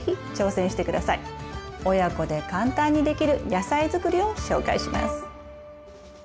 親子で簡単にできる野菜づくりを紹介します。